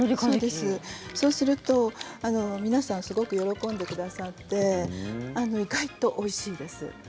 そうです、そうすると皆さんすごく喜んでくださって意外とおいしいです。